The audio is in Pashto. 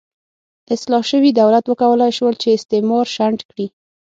اصلاح شوي دولت وکولای شول چې استعمار شنډ کړي.